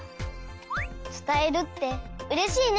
つたえるってうれしいね！